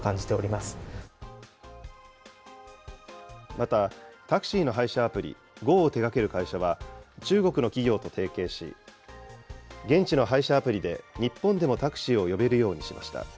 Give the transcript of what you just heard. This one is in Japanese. また、タクシーの配車アプリ、ＧＯを手がける会社は、中国の企業と提携し、現地の配車アプリで、日本でもタクシーを呼べるようにしました。